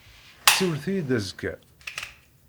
Siwlet-iyi-d azekka.